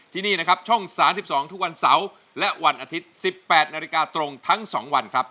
ที่นี่นะครับช่อง๓๒ทุกวันเสาร์และวันอาทิตย์๑๘นาฬิกาตรงทั้ง๒วันครับ